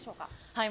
はい。